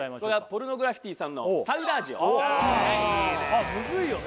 ポルノグラフィティさんの「サウダージ」をあっムズいよね